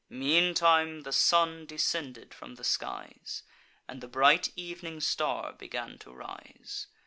Meantime the sun descended from the skies, And the bright evening star began to rise.